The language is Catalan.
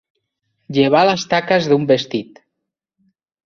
Llevar les taques d'un vestit.